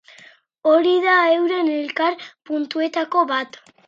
Hori da heuren elkar-puntuetako bat.